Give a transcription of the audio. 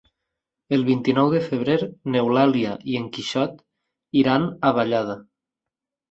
El vint-i-nou de febrer n'Eulàlia i en Quixot iran a Vallada.